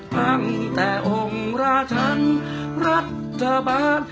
ตั้งแต่องค์ราชันรัฐบาล